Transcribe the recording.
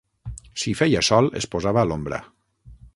Si feia sol es posava a l'ombra